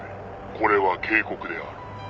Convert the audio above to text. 「これは警告である」